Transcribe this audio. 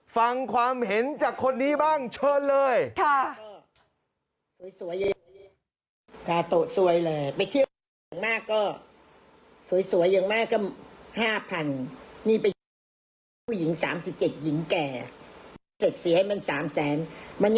ฟังความเห็นจากคนนี้บ้างเชิญเลย